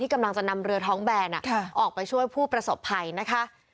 กำลังจะนำเรือท้องแบนออกไปช่วยผู้ประสบภัยนะคะ